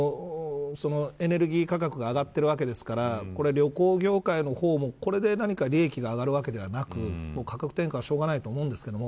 エネルギー価格が上がっているわけですから旅行業界の方も、これで何か利益が上がるわけではなく価格転嫁はしょうがないと思うんですけど